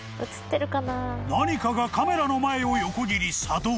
［何かがカメラの前を横切り作動］